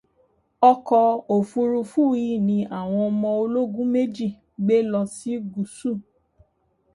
Ọkọ̀ òfurufú yìí ni àwọn ọmọ ológun méjì gbé lọ sí Gúsù.